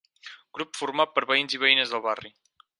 Grup format per veïns i veïnes del barri.